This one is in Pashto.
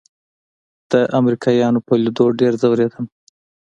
د امريکايانو په ليدو ډېر ځورېدم.